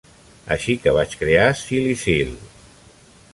Així que vaig crear "Silly Seal".